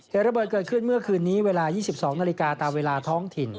เหตุระเบิดเกิดขึ้นเมื่อคืนนี้เวลา๒๒นาฬิกาตามเวลาท้องถิ่น